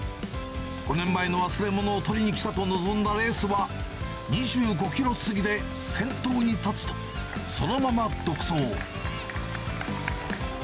５年前の忘れ物を取りに来たと臨んだレースは、２５キロ過ぎで先頭に立つと、そのまま独走。